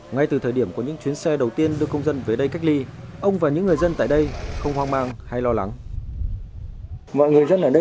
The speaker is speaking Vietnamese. ngay từ thời điểm có những chuyến xe đầu tiên đưa công dân về đây cách ly ông và những người dân tại đây không hoang mang hay lo lắng